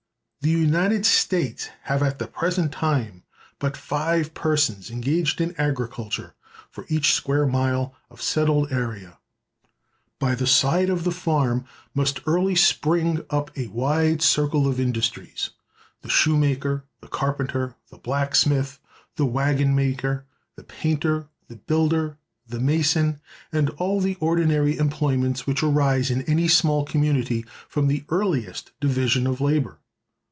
"The United States have at the present time but five persons engaged in agriculture for each square mile of settled area." By the side of the farm must early spring up a wide circle of industries—the shoemaker, the carpenter, the blacksmith, the wagon maker, the painter, the builder, the mason, and all the ordinary employments which arise in any small community from the earliest division of labor.